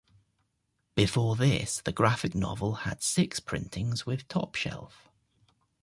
Before this, the graphic novel had six printings with Top Shelf.